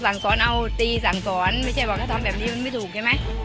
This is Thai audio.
สั่งศรก็สั่งศรเอาตีสั่งศรไม่ใช่บอกถ้าทำแบบนี้มันไม่ถูกใช่ไหม